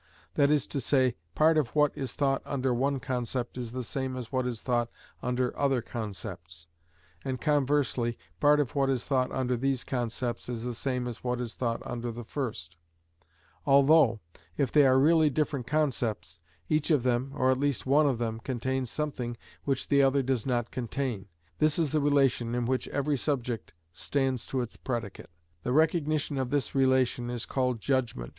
That is to say, part of what is thought under one concept is the same as what is thought under other concepts; and conversely, part of what is thought under these concepts is the same as what is thought under the first; although, if they are really different concepts, each of them, or at least one of them, contains something which the other does not contain; this is the relation in which every subject stands to its predicate. The recognition of this relation is called judgment.